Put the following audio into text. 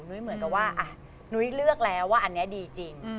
เหมือนกับว่านุ้ยเลือกแล้วว่าอันนี้ดีจริง